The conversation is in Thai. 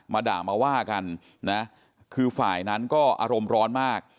ด่ามาว่ากันนะคือฝ่ายนั้นก็อารมณ์ร้อนมาก